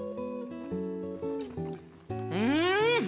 うん！